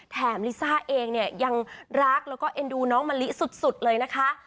ลิซ่าเองเนี่ยยังรักแล้วก็เอ็นดูน้องมะลิสุดเลยนะคะ